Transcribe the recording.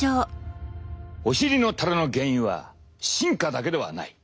お尻のたれの原因は進化だけではない。